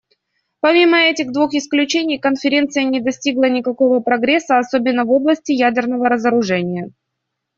Помимо этих двух исключений, Конференция не достигла никакого прогресса, особенно в области ядерного разоружения.